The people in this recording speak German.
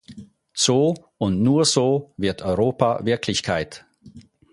So, und nur so, wird Europa Wirklichkeit!